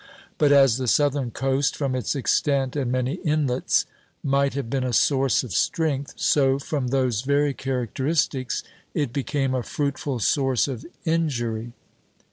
But as the Southern coast, from its extent and many inlets, might have been a source of strength, so, from those very characteristics, it became a fruitful source of injury.